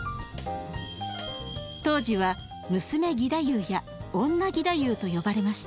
当時は「娘義太夫」や「女義太夫」と呼ばれました。